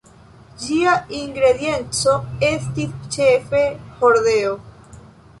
Ĝia ingredienco estis ĉefe hordeo.